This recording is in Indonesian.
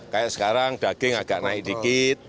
kayak sekarang daging agak naik dikit